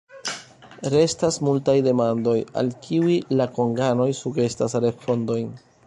Restas multaj demandoj, al kiuj la konganoj sugestas respondojn.